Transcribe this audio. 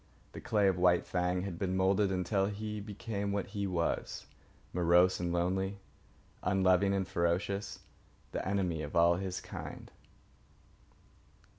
The clay of White Fang had been moulded until he became what he was, morose and lonely, unloving and ferocious, the enemy of all his kind.